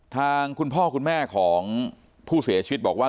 ทางคุณพ่อคุณแม่ของผู้เสียชีวิตบอกว่า